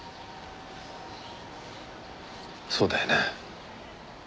そうだよね？